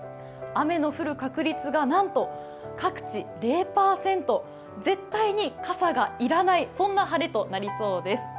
雨の降る確率がなんとかくち０％、絶対に傘が要らない、そんな晴れとなりそうです。